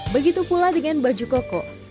begitu pula dengan baju koko